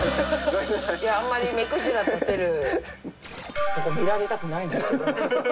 あんまり目くじらたてるとこ見られたくないんですけど。